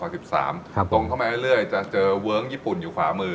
ตรงเข้ามาเรื่อยจะเจอเวิ้งญี่ปุ่นอยู่ขวามือ